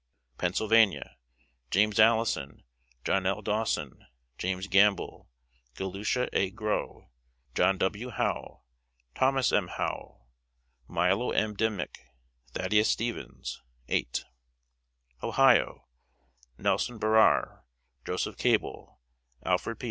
Pennsylvania: James Allison, John L. Dawson, James Gamble, Galusha A. Grow, John W. Howe, Thomas M. Howe, Milo M. Dimmick, Thaddeus Stevens 8. Ohio: Nelson Barrere, Joseph Cable, Alfred P.